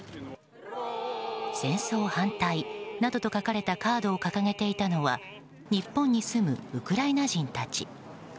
「戦争反対」などと書かれたカードを掲げていたのは日本に住むウクライナ人たち。